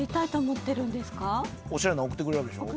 おしゃれなの送ってくれるわけでしょ。